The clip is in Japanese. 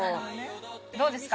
どうですか？